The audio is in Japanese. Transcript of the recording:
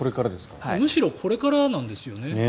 むしろこれからなんですよね